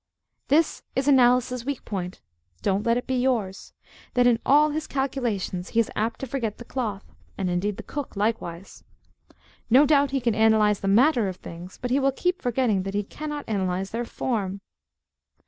This is Analysis's weak point don't let it be yours that in all his calculations he is apt to forget the cloth, and indeed the cook likewise. No doubt he can analyse the matter of things: but he will keep forgetting that he cannot analyse their form.